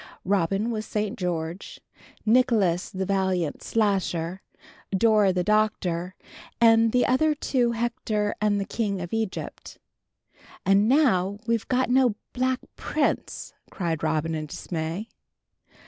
Robin was St. George, Nicholas the valiant Slasher, Dora the Doctor, and the other two Hector and the King of Egypt. "And now we've no Black Prince!" cried Robin in dismay.